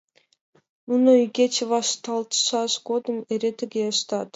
Нуно игече вашталтшаш годым эре тыге ыштат.